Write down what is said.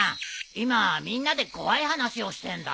今みんなで怖い話をしてんだ。